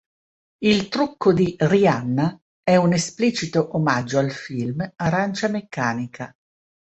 Il trucco di Rihanna è un esplicito omaggio al film "Arancia Meccanica".